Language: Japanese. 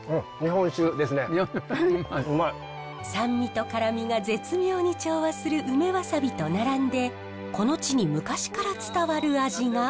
酸味と辛みが絶妙に調和する梅ワサビと並んでこの地に昔から伝わる味が。